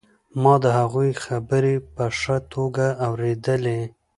ما د هغوی خبرې په ښه توګه اورېدلې